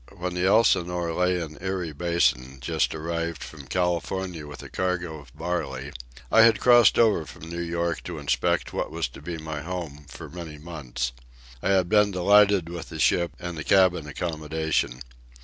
When the Elsinore lay in Erie Basin, just arrived from California with a cargo of barley, I had crossed over from New York to inspect what was to be my home for many months. I had been delighted with the ship and the cabin accommodation.